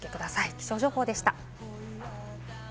気象情報でした。